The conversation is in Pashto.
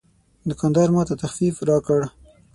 دوکاندار ماته تخفیف راکړ.